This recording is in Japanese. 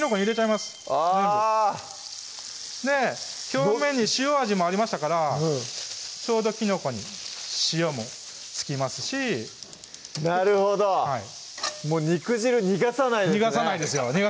表面に塩味もありましたからちょうどきのこに塩も付きますしなるほど肉汁逃がさないんですね